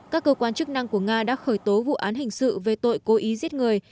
các cơ quan chức năng của nga đã khởi tố vụ án hình sự về tội cố ý giết người